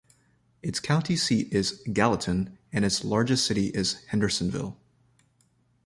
Its county seat is Gallatin, and its largest city is Hendersonville.